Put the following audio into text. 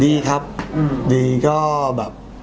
ดีครับดีก็แบบ